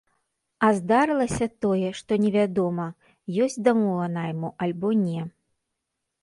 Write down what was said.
А здарылася тое, што невядома, ёсць дамова найму, альбо не.